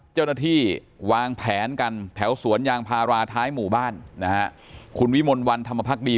เจ้าหน้าที่วางแผนกันแถวสวนยางพาราท้ายหมู่บ้านนะฮะคุณวิมลวันธรรมพักดี